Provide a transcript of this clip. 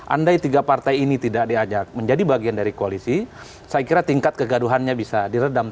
andai tiga partai ini tidak diajak menjadi bagian dari koalisi saya kira tingkat kegaduhannya bisa diredam